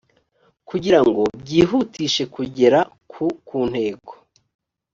kugirango byihutishe kugera ku ku ntego